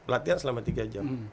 latihan selama tiga jam